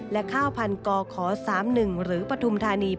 และข้าวพันธุ์กรขอ๓๑หรือปธุมธานี๘๐